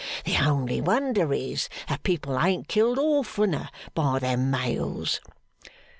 The only wonder is, that people ain't killed oftener by them Mails.